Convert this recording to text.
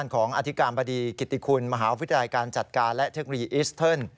ของอธิการบดีกิติคุณมหาวิทยาลัยการจัดการและเทคโนโลยีอิสเทิร์น